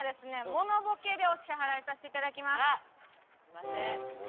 モノボケでお支払いさせていただきます！